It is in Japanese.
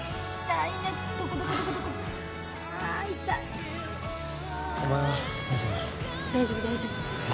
大丈夫大丈夫。